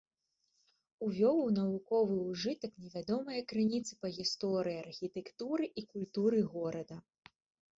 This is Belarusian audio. Увёў у навуковы ўжытак невядомыя крыніцы па гісторыі архітэктуры і культуры горада.